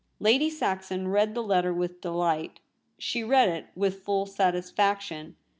Lady Saxon read the letter with delight ; she read it with full satisfaction.